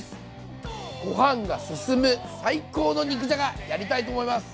ご飯がすすむ最高の肉じゃがやりたいと思います。